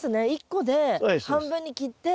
１個で半分に切って。